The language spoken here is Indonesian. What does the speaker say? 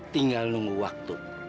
tinggal nunggu waktu